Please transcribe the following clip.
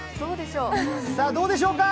どうでしょうか。